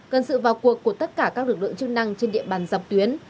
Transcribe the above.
cần sự vào cuộc của tất cả các lực lượng chức năng trên địa bàn dọc tuyến